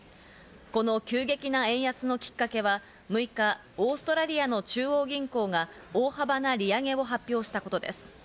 この急激な円安のきっかけは６日、オーストラリアの中央銀行が大幅な利上げを発表したことです。